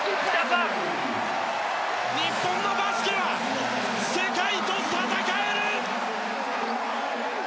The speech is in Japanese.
日本のバスケは世界と戦える！